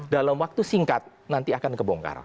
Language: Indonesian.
dalam waktu singkat nanti akan kebongkar